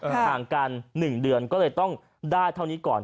ห่างกัน๑เดือนก็เลยต้องได้เท่านี้ก่อน